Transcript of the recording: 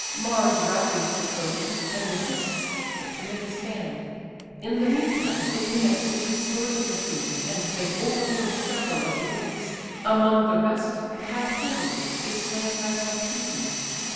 Mars rallies the Trojans, and assists Hector to make a stand. In the meantime Æneas is restored to the field, and they overthrow several of the Greeks; among the rest Tlepolemus is slain by Sarpedon.